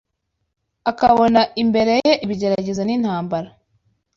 akabona imbere ye ibigeragezo n’intambara